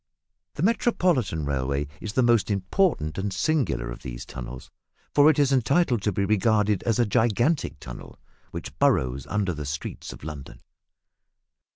The Metropolitan Railway is the most important and singular of these tunnels for it is entitled to be regarded as a gigantic tunnel which burrows under the streets of London.